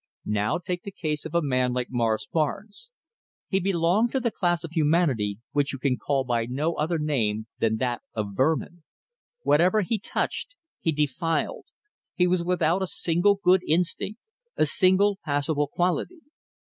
Now take the case of a man like Morris Barnes. He belonged to the class of humanity which you can call by no other name than that of vermin. Whatever he touched he defiled. He was without a single good instinct, a single passable quality.